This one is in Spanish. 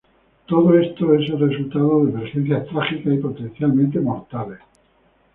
Todo esto es el resultado de emergencias trágicas y potencialmente mortales.